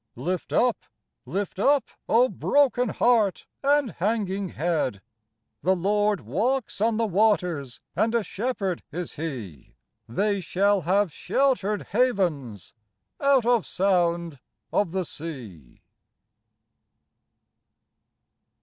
Lift up, lift up, O broken heart and hanging head ! The Lord walks on the waters and a Shepherd is He They shall have sheltered havens out of sound of the sea.